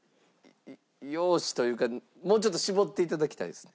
容姿というかもうちょっと絞って頂きたいですね。